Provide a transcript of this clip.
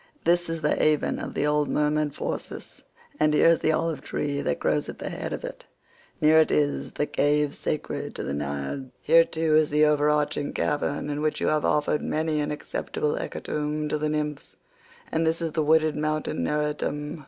This is the haven of the old merman Phorcys, and here is the olive tree that grows at the head of it; [near it is the cave sacred to the Naiads;122 here too is the overarching cavern in which you have offered many an acceptable hecatomb to the nymphs, and this is the wooded mountain Neritum."